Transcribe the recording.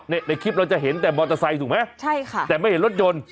ในในคลิปเราจะเห็นแต่มอเตอร์ไซค์ถูกไหมใช่ค่ะแต่ไม่เห็นรถยนต์